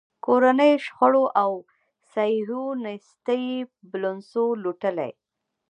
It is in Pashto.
کورنیو شخړو او صیهیونېستي بلوسنو لوټلی.